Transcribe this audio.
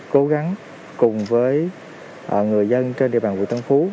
cố gắng cùng với người dân trên địa bàn quận tân phú